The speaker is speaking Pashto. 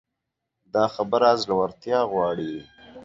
دا خبره زړورتيا غواړي.